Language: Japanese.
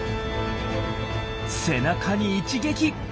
背中に一撃！